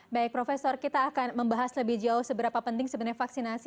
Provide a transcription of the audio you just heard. baik profesor kita akan membahas lebih jauh seberapa penting sebenarnya vaksinasi